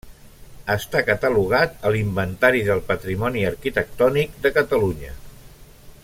Està catalogat a l'Inventari del Patrimoni Arquitectònic de Catalunya.